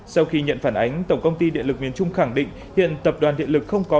sau khi nhận phản ánh tổng công ty điện lực miền trung khẳng định hiện tập đoàn điện lực không có